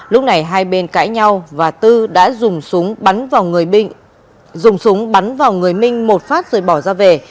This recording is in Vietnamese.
lúc này hai bên cãi nhau và tư đã dùng súng bắn vào người minh một phát rồi bỏ ra về